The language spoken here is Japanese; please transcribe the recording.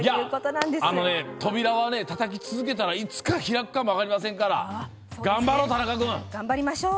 扉はたたき続けたらいつか開くかも分かりませんから頑張ろう、田中君。